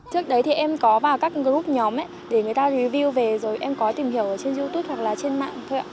trước đấy thì em có vào các group nhóm để người ta review về rồi em có tìm hiểu ở trên youtube hoặc là trên mạng thôi ạ